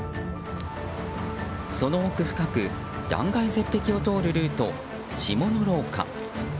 その奥深く断崖絶壁を通るルート下ノ廊下。